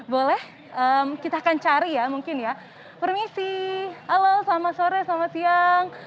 boleh kita akan cari ya mungkin ya permisi halo selamat sore selamat siang